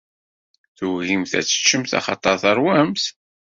Tugimt ad teččemt axaṭer terwamt.